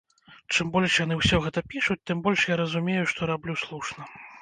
Чым больш яны ўсё гэта пішуць, тым больш я разумею, што раблю слушна.